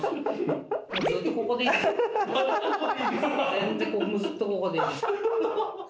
全然もうずっとここでいいです。